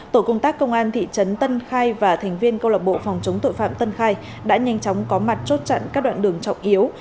tổ công tác công an thị trấn tân khai và thành viên câu lạc bộ phòng chống tội phạm tân khai đã nhanh chóng có mặt chốt chặn các đoạn đường trọng yếu